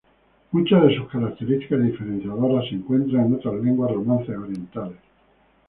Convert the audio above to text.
Muchas de sus características diferenciadores se encuentran en otras lenguas romances orientales.